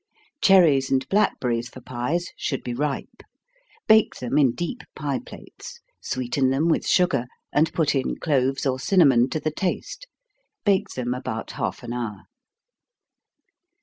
_ Cherries and blackberries for pies should be ripe. Bake them in deep pie plates, sweeten them with sugar, and put in cloves or cinnamon to the taste. Bake them about half an hour.